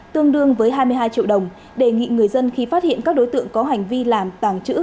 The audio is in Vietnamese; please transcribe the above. tương đương với hai mươi hai triệu đồng đề nghị người dân khi phát hiện các đối tượng có hành vi làm tàng trữ